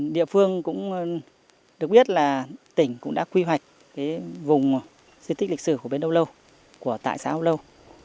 địa phương cũng được biết là tỉnh cũng đã quy hoạch vùng di tích lịch sử của bến đâu lâu của tại xã âu lâu